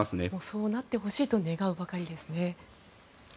そうなってほしいと願うばかりですね。